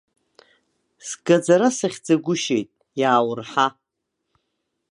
Сгаӡара сыхьӡагәышьеит, иааурҳа.